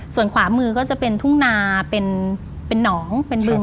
ส่วนขวามือก็จะเป็นทุ่งนาเป็นหนองเป็นบึง